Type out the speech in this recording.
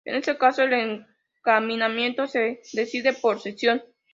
En este caso el encaminamiento se decide por sesión.